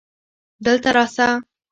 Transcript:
دلته راسه